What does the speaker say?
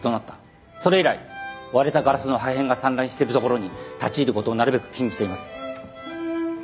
それ以来割れたガラスの破片が散乱している所に立ち入る事をなるべく禁じています。